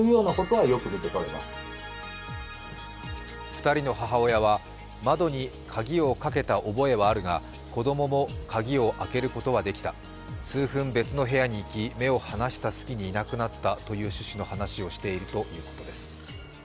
２人の母親は、窓に鍵をかけた覚えはあるが、子供も鍵を開けることはできた、数分別の部屋に行き目を離した隙にいなくなったという趣旨の話をしています。